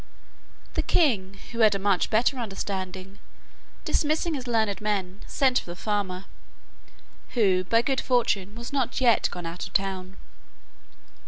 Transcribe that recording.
The king, who had a much better understanding, dismissing his learned men, sent for the farmer, who by good fortune was not yet gone out of town.